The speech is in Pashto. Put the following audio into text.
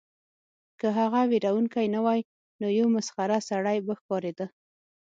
که هغه ویرونکی نه وای نو یو مسخره سړی به ښکاریده